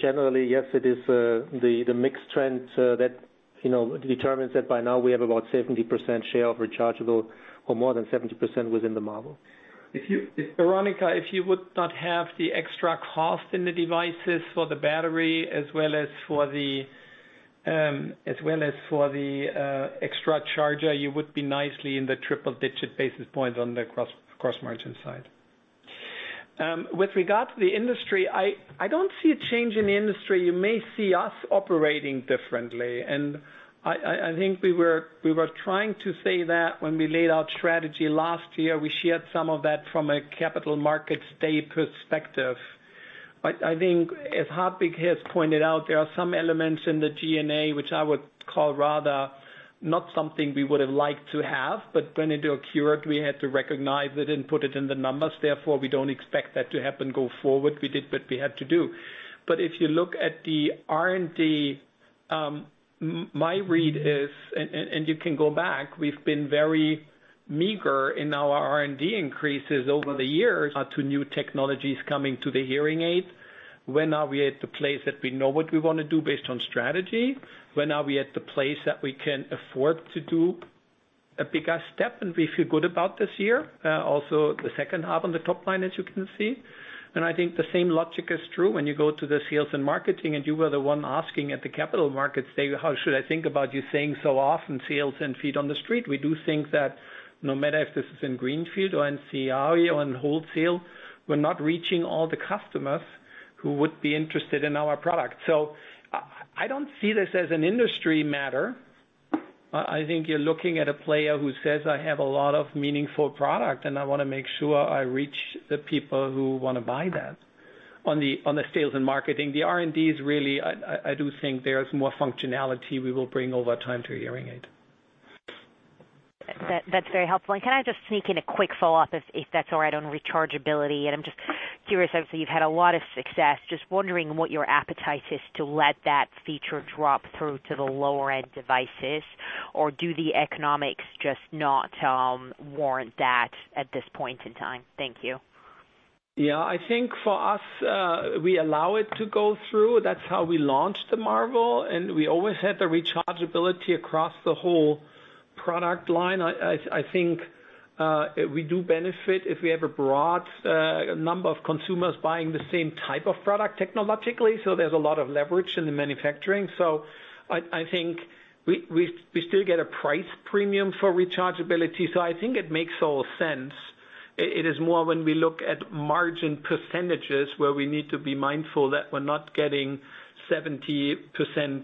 Generally, yes, it is the mixed trend that determines that by now we have about 70% share of rechargeable or more than 70% within the Marvel. Veronika, if you would not have the extra cost in the devices for the battery as well as for the extra charger, you would be nicely in the triple digit basis points on the gross margin side. With regard to the industry, I don't see a change in the industry. You may see us operating differently, and I think we were trying to say that when we laid out strategy last year. We shared some of that from a capital markets day perspective. I think as Hartwig has pointed out, there are some elements in the G&A which I would call rather not something we would have liked to have, but going into accrual, we had to recognize it and put it in the numbers. Therefore, we don't expect that to happen go forward. We did what we had to do. If you look at the R&D, my read is, and you can go back, we've been very meager in our R&D increases over the years to new technologies coming to the hearing aid. When are we at the place that we know what we want to do based on strategy? When are we at the place that we can afford to do a bigger step, and we feel good about this year? Also, the second half on the top line, as you can see. I think the same logic is true when you go to the sales and marketing, and you were the one asking at the capital markets day, how should I think about you saying so often sales and feet on the street? We do think that no matter if this is in Greenfield or in CI or in wholesale, we're not reaching all the customers who would be interested in our product. I don't see this as an industry matter. I think you're looking at a player who says, "I have a lot of meaningful product, and I want to make sure I reach the people who want to buy that." On the sales and marketing, the R&D is really, I do think there's more functionality we will bring over time to a hearing aid. That's very helpful. Can I just sneak in a quick follow-up, if that's all right, on rechargeability? I'm just curious, obviously, you've had a lot of success. Just wondering what your appetite is to let that feature drop through to the lower-end devices, or do the economics just not warrant that at this point in time? Thank you. I think for us, we allow it to go through. That's how we launched the Marvel, and we always had the rechargeability across the whole product line. I think we do benefit if we have a broad number of consumers buying the same type of product technologically. There's a lot of leverage in the manufacturing. I think we still get a price premium for rechargeability, so I think it makes all sense. It is more when we look at margin percentages where we need to be mindful that we're not getting 70%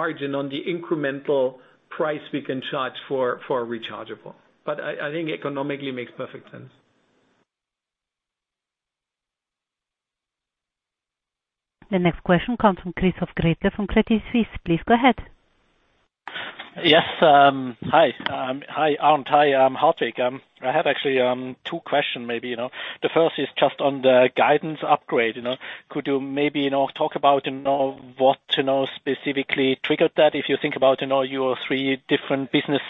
margin on the incremental price we can charge for rechargeable. I think economically, it makes perfect sense. The next question comes from Christoph Gretler from Credit Suisse. Please go ahead. Yes. Hi, Arnd. Hi, Hartwig. I have actually two questions maybe. The first is just on the guidance upgrade. Could you maybe talk about what specifically triggered that, if you think about your three different business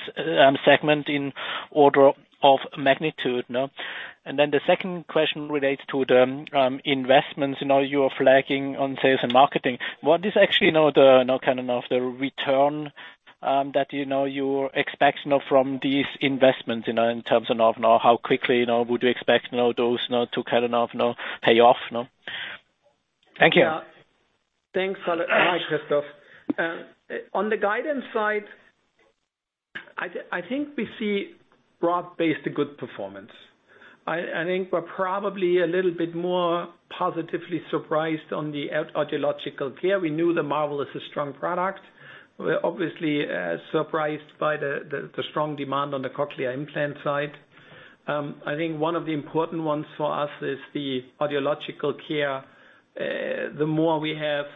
segments in order of magnitude? Then the second question relates to the investments you are flagging on sales and marketing. What is actually now the return that you expect from these investments in terms of now how quickly would you expect those now to pay off now? Thank you. Thanks a lot. Hi, Christoph. On the guidance side, I think we see broad-based good performance. I think we're probably a little bit more positively surprised on the audiological care. We knew the Marvel is a strong product. We're obviously surprised by the strong demand on the cochlear implant side. I think one of the important ones for us is the audiological care. The more we have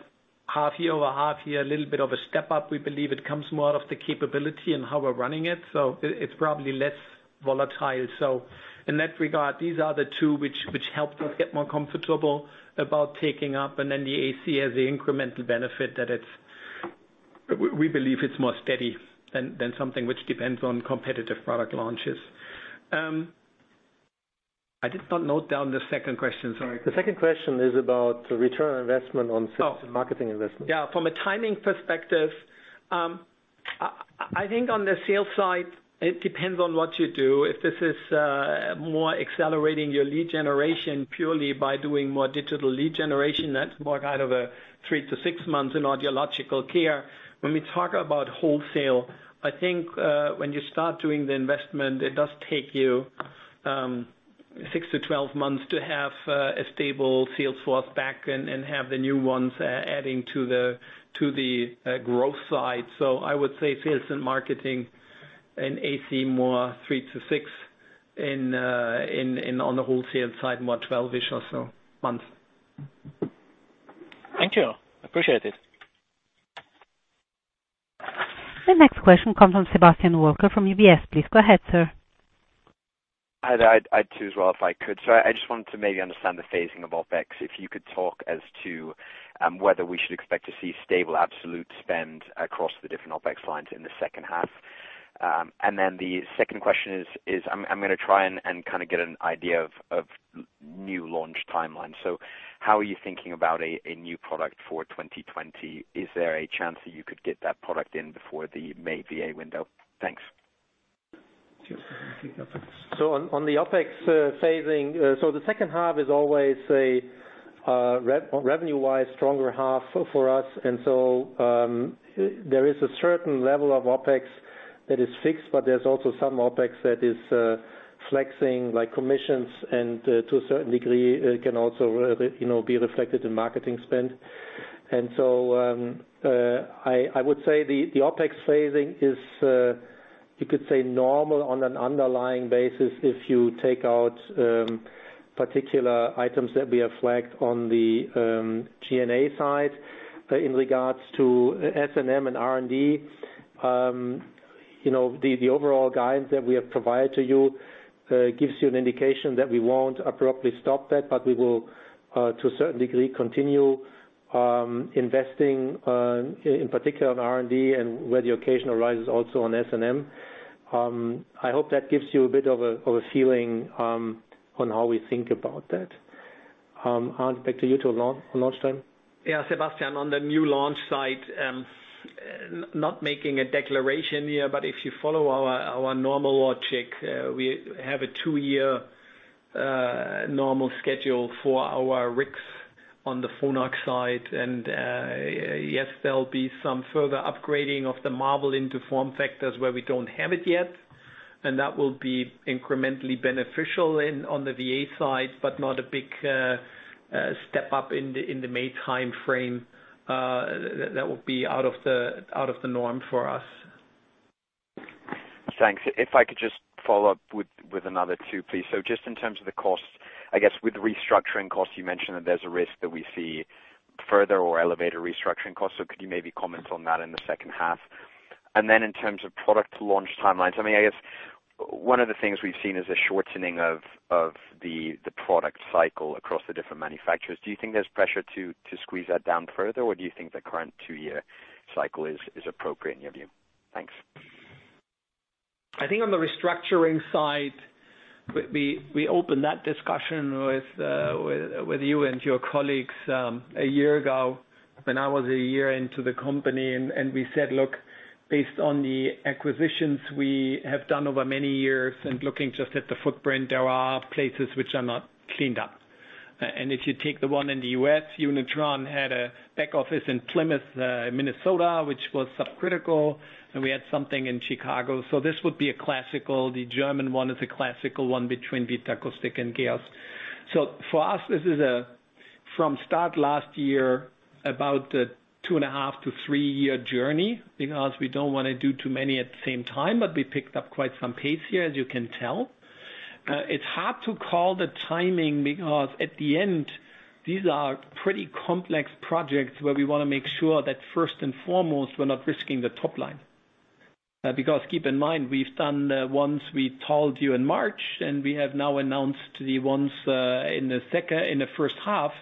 half-year over half-year, a little bit of a step up, we believe it comes more out of the capability and how we're running it. It's probably less volatile. In that regard, these are the two which helped us get more comfortable about taking up, and then the AC as the incremental benefit that we believe it's more steady than something which depends on competitive product launches. I did not note down the second question, sorry. The second question is about the return on investment on sales and marketing investment. Yeah, from a timing perspective, I think on the sales side, it depends on what you do. If this is more accelerating your lead generation purely by doing more digital lead generation, that's more kind of a three to six months in audiological care. When we talk about wholesale, I think when you start doing the investment, it does take you 6 to 12 months to have a stable sales force back and have the new ones adding to the growth side. I would say sales and marketing in AC more three to six on the wholesale side, more 12-ish or so months. Thank you. Appreciate it. The next question comes from Sebastian Walker from UBS. Please go ahead, sir. Hi there. I'd too as well if I could. I just wanted to maybe understand the phasing of OpEx, if you could talk as to whether we should expect to see stable absolute spend across the different OpEx lines in the second half. The second question is, I'm going to try and kind of get an idea of new launch timelines. How are you thinking about a new product for 2020? Is there a chance that you could get that product in before the May VA window? Thanks. On the OpEx phasing, the second half is always a revenue-wise stronger half for us. There is a certain level of OpEx that is fixed, but there's also some OpEx that is flexing, like commissions and to a certain degree, it can also be reflected in marketing spend. I would say the OpEx phasing is, you could say normal on an underlying basis if you take out particular items that we have flagged on the G&A side. In regards to S&M and R&D, the overall guidance that we have provided to you gives you an indication that we won't abruptly stop that, but we will, to a certain degree, continue investing, in particular on R&D and where the occasion arises also on S&M. I hope that gives you a bit of a feeling on how we think about that. Arnd, back to you to launch time. Yes, Sebastian, on the new launch site, not making a declaration here, but if you follow our normal logic, we have a two-year normal schedule for our RICs on the Phonak side. Yes, there'll be some further upgrading of the Marvel into form factors where we don't have it yet, and that will be incrementally beneficial on the VA side, but not a big step up in the May timeframe. That would be out of the norm for us. Thanks. If I could just follow up with another two, please. Just in terms of the cost, I guess with the restructuring cost, you mentioned that there's a risk that we see further or elevated restructuring costs. Could you maybe comment on that in the second half? In terms of product launch timelines, I mean, I guess one of the things we've seen is a shortening of the product cycle across the different manufacturers. Do you think there's pressure to squeeze that down further? Do you think the current two-year cycle is appropriate in your view? Thanks. I think on the restructuring side, we opened that discussion with you and your colleagues one year ago when I was one year into the company, we said, look, based on the acquisitions we have done over many years, looking just at the footprint, there are places which are not cleaned up. If you take the one in the U.S., Unitron had a back office in Plymouth, Minnesota, which was subcritical, and we had something in Chicago. This would be a classical, the German one is a classical one between Vitakustik and GEERS. For us, this is from start last year, about the two and a half to three-year journey because we don't want to do too many at the same time, but we picked up quite some pace here, as you can tell. It's hard to call the timing because at the end, these are pretty complex projects where we want to make sure that first and foremost, we're not risking the top line. Keep in mind, we've done the ones we told you in March, and we have now announced the ones in the first half,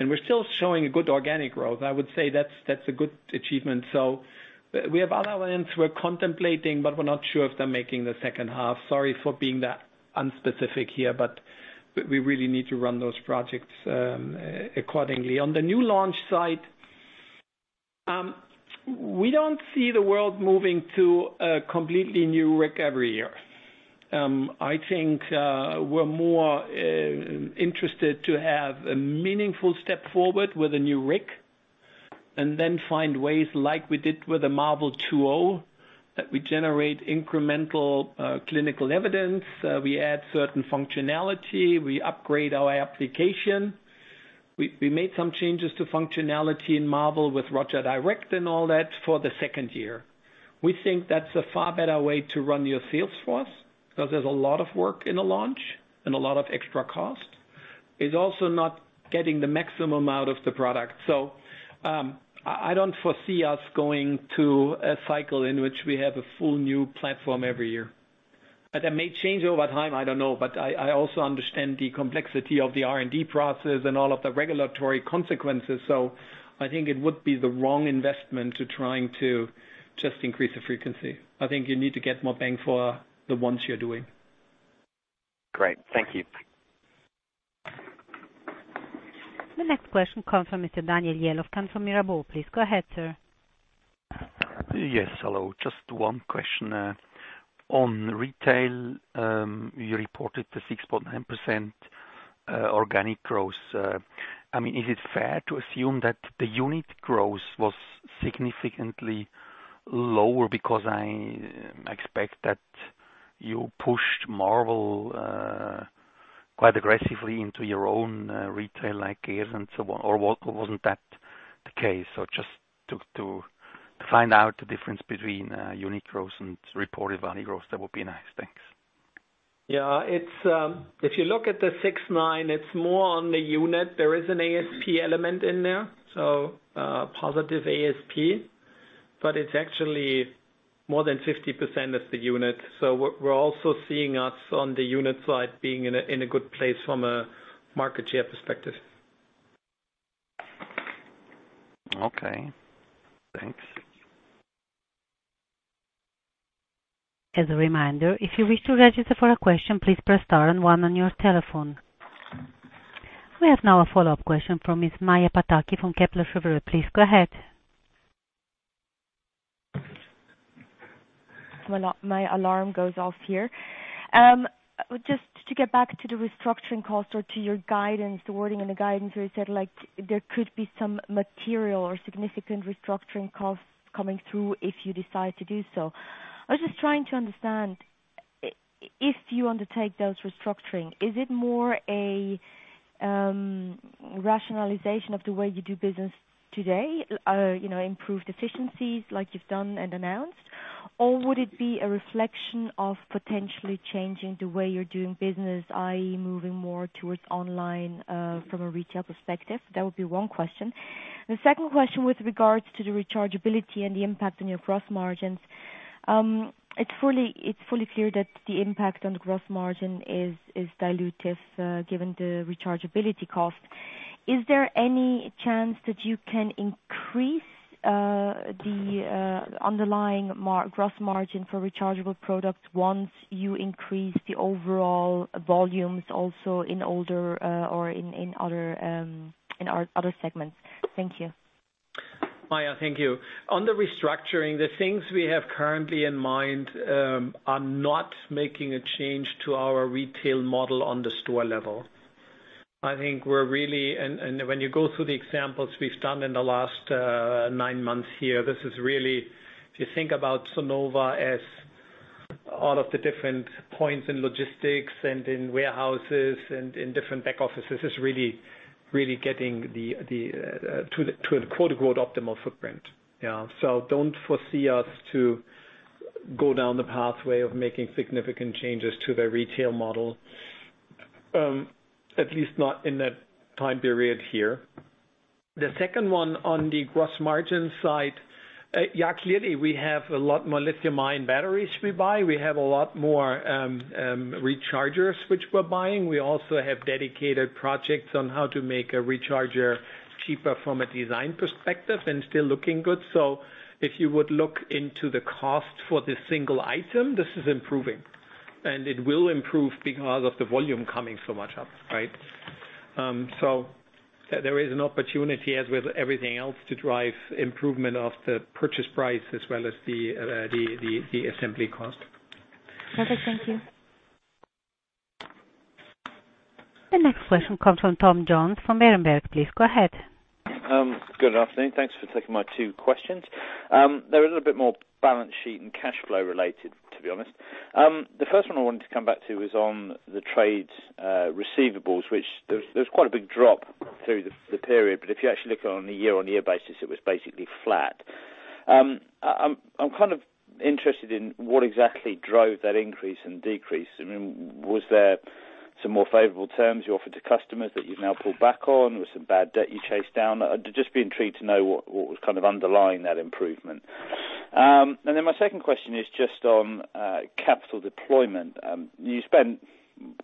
and we're still showing a good organic growth. I would say that's a good achievement. We have other ones we're contemplating, but we're not sure if they're making the second half. Sorry for being that unspecific here, but we really need to run those projects accordingly. On the new launch site, we don't see the world moving to a completely new RIC every year. I think we're more interested to have a meaningful step forward with a new RIC, and then find ways like we did with the Marvel 2.0, that we generate incremental clinical evidence, we add certain functionality, we upgrade our application. We made some changes to functionality in Marvel with RogerDirect and all that for the second year. We think that's a far better way to run your sales force because there's a lot of work in a launch and a lot of extra cost. It's also not getting the maximum out of the product. I don't foresee us going to a cycle in which we have a full new platform every year. That may change over time, I don't know. I also understand the complexity of the R&D process and all of the regulatory consequences. I think it would be the wrong investment to trying to just increase the frequency. I think you need to get more bang for the ones you're doing. Great. Thank you. The next question comes from Mr. Daniel Jelovcan, comes from Mirabaud. Please go ahead, sir. Yes. Hello. Just one question. On retail, you reported the 6.9% Organic growth. Is it fair to assume that the unit growth was significantly lower? I expect that you pushed Marvel quite aggressively into your own retail, like GEERS and so on, or wasn't that the case? Just to find out the difference between unit growth and reported value growth, that would be nice. Thanks. If you look at the six9, it's more on the unit. There is an ASP element in there, so positive ASP, but it's actually more than 50% of the unit. We're also seeing us on the unit side being in a good place from a market share perspective. Okay, thanks. As a reminder, if you wish to register for a question, please press star and one on your telephone. We have now a follow-up question from Ms. Maja Pataki from Kepler Cheuvreux. Please go ahead. My alarm goes off here. Just to get back to the restructuring cost or to your guidance, the wording in the guidance where you said there could be some material or significant restructuring costs coming through if you decide to do so. I was just trying to understand, if you undertake those restructuring, is it more a rationalization of the way you do business today? Improved efficiencies like you've done and announced, or would it be a reflection of potentially changing the way you're doing business, i.e., moving more towards online, from a retail perspective? That would be one question. The second question with regards to the rechargeability and the impact on your gross margins. It's fully clear that the impact on the gross margin is dilutive, given the rechargeability cost. Is there any chance that you can increase the underlying gross margin for rechargeable products once you increase the overall volumes also in older or in other segments? Thank you. Maja, thank you. On the restructuring, the things we have currently in mind are not making a change to our retail model on the store level. I think we're really. When you go through the examples we've done in the last nine months here, this is really, if you think about Sonova as all of the different points in logistics and in warehouses and in different back offices, getting to the quote, "growth optimal footprint." Yeah. Don't foresee us to go down the pathway of making significant changes to the retail model, at least not in that time period here. The second one on the gross margin side, clearly, we have a lot more lithium-ion batteries we buy. We have a lot more rechargers which we're buying. We also have dedicated projects on how to make a recharger cheaper from a design perspective and still looking good. If you would look into the cost for the single item, this is improving, and it will improve because of the volume coming so much up, right? There is an opportunity, as with everything else, to drive improvement of the purchase price as well as the assembly cost. Perfect. Thank you. The next question comes from Tom Jones from Berenberg. Please go ahead. Good afternoon. Thanks for taking my two questions. They're a little bit more balance sheet and cash flow related, to be honest. The first one I wanted to come back to is on the trades receivables, which there's quite a big drop through the period. If you actually look on a year-on-year basis, it was basically flat. I'm kind of interested in what exactly drove that increase and decrease. Was there some more favorable terms you offered to customers that you've now pulled back on? Was there bad debt you chased down? I'd just be intrigued to know what was kind of underlying that improvement. My second question is just on capital deployment. You spent,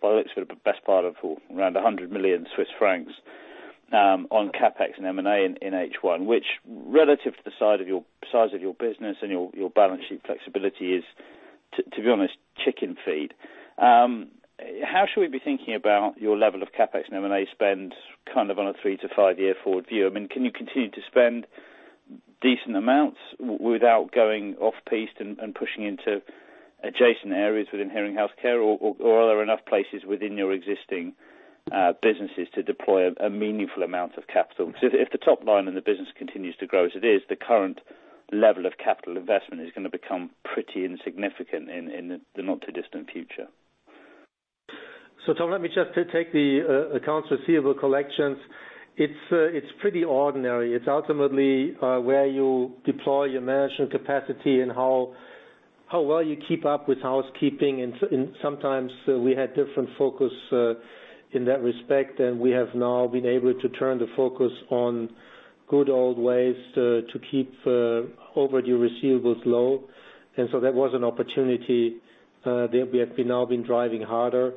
by the looks of it, the best part of around 100 million Swiss francs on CapEx and M&A in H1, which relative to the size of your business and your balance sheet flexibility is, to be honest, chicken feed. How should we be thinking about your level of CapEx and M&A spend on a three-to-five-year forward view? Can you continue to spend decent amounts without going off-piste and pushing into adjacent areas within hearing healthcare, or are there enough places within your existing businesses to deploy a meaningful amount of capital? Because if the top line in the business continues to grow as it is, the current level of capital investment is going to become pretty insignificant in the not-too-distant future. Tom, let me just take the accounts receivable collections. It's pretty ordinary. It's ultimately where you deploy your management capacity and how well you keep up with housekeeping. Sometimes we had different focus, in that respect, and we have now been able to turn the focus on good old ways to keep overdue receivables low. That was an opportunity that we have now been driving harder.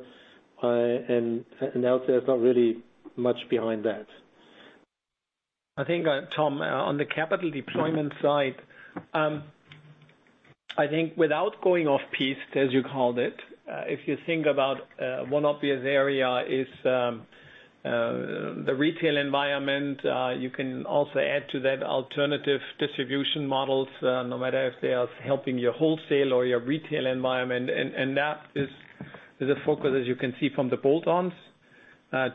Out there's not really much behind that. I think, Tom, on the capital deployment side, I think without going off-piste, as you called it, if you think about one obvious area is the retail environment, you can also add to that alternative distribution models, no matter if they are helping your wholesale or your retail environment. That is the focus, as you can see from the bolt-ons.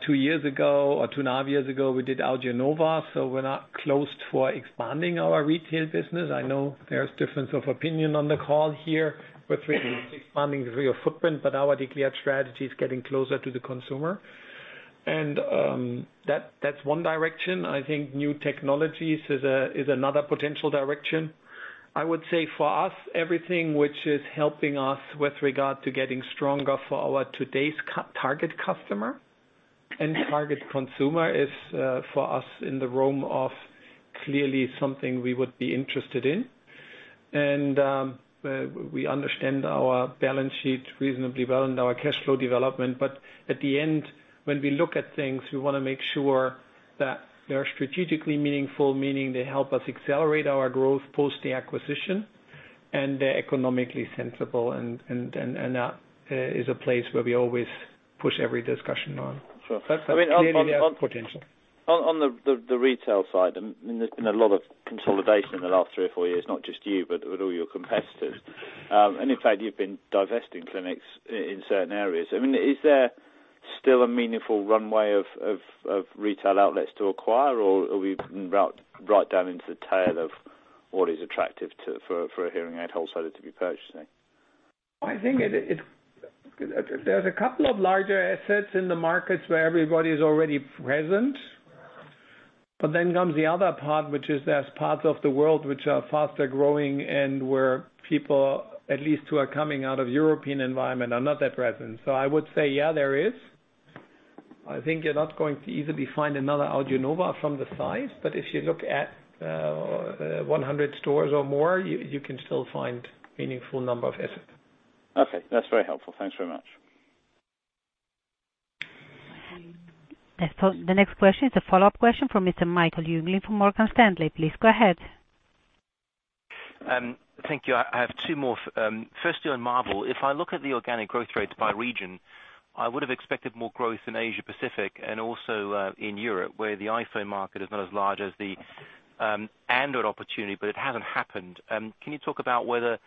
Two and a half years ago, we did AudioNova. We're not closed for expanding our retail business. I know there's difference of opinion on the call here with expanding the real footprint. Our declared strategy is getting closer to the consumer. That's one direction. I think new technologies is another potential direction. I would say for us, everything which is helping us with regard to getting stronger for our today's target customer and target consumer is, for us, in the realm of clearly something we would be interested in. We understand our balance sheet reasonably well and our cash flow development. At the end, when we look at things, we want to make sure that they're strategically meaningful, meaning they help us accelerate our growth post the acquisition, and they're economically sensible and that is a place where we always push every discussion on. Sure. That's clearly their potential. On the retail side, there's been a lot of consolidation in the last three or four years, not just you, but with all your competitors. In fact, you've been divesting clinics in certain areas. Is there still a meaningful runway of retail outlets to acquire, or are we right down into the tail of what is attractive for a hearing aid wholesaler to be purchasing? I think there's a couple of larger assets in the markets where everybody's already present. Then comes the other part, which is there's parts of the world which are faster-growing and where people, at least who are coming out of European environment, are not that present. I would say yeah, there is. I think you're not going to easily find another AudioNova from the size, but if you look at 100 stores or more, you can still find meaningful number of assets. Okay, that's very helpful. Thanks very much. The next question is a follow-up question from Mr. Michael Jüngling from Morgan Stanley. Please go ahead. Thank you. I have two more. Firstly, on Marvel. If I look at the organic growth rates by region, I would've expected more growth in Asia-Pacific and also in Europe, where the iPhone market is not as large as the Android opportunity, but it hasn't happened. Can you talk about whether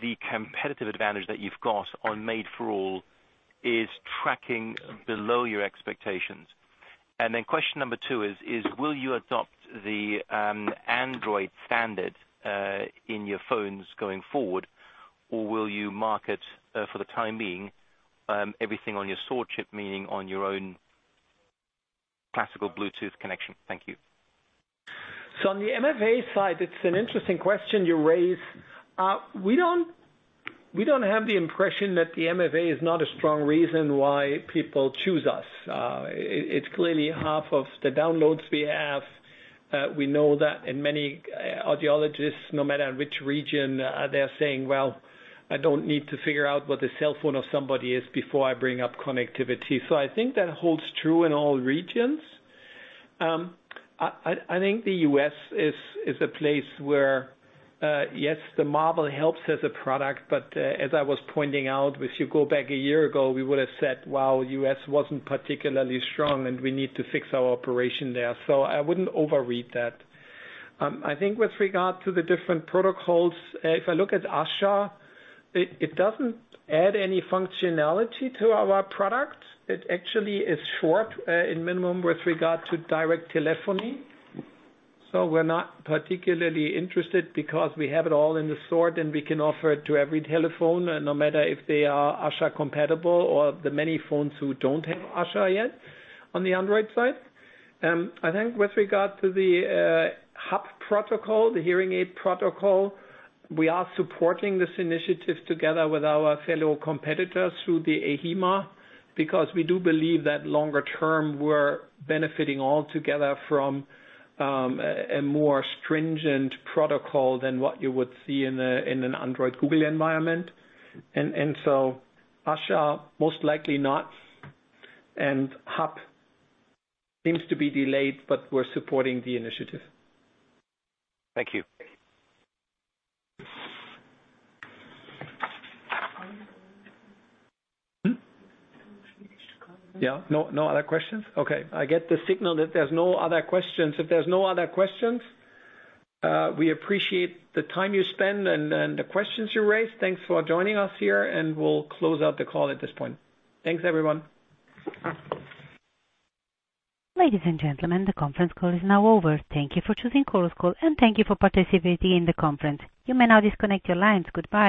the competitive advantage that you've got on Made for All is tracking below your expectations? Question number two is, will you adopt the Android standard in your phones going forward, or will you market, for the time being, everything on your SWORD chip, meaning on your own classical Bluetooth connection? Thank you. On the MFA side, it's an interesting question you raise. We don't have the impression that the MFA is not a strong reason why people choose us. It's clearly half of the downloads we have. We know that in many audiologists, no matter which region, they're saying, "Well, I don't need to figure out what the cell phone of somebody is before I bring up connectivity." I think that holds true in all regions. I think the U.S. is a place where, yes, the Marvel helps as a product, but as I was pointing out, if you go back a year ago, we would have said, wow, U.S. wasn't particularly strong, and we need to fix our operation there. I wouldn't overread that. I think with regard to the different protocols, if I look at ASHA, it doesn't add any functionality to our product. It actually is short in minimum with regard to direct telephony. We're not particularly interested because we have it all in the SWORD, and we can offer it to every telephone, no matter if they are ASHA compatible or the many phones who don't have ASHA yet on the Android side. I think with regard to the HAP protocol, the hearing aid protocol, we are supporting this initiative together with our fellow competitors through the EHIMA, because we do believe that longer term, we're benefiting all together from a more stringent protocol than what you would see in an Android Google environment. ASHA, most likely not, and HAP seems to be delayed, but we're supporting the initiative. Thank you. Yeah. No other questions? Okay. I get the signal that there's no other questions. If there's no other questions, we appreciate the time you spend and the questions you raised. Thanks for joining us here, and we'll close out the call at this point. Thanks, everyone. Ladies and gentlemen, the conference call is now over. Thank you for choosing Chorus Call, and thank you for participating in the conference. You may now disconnect your lines. Goodbye.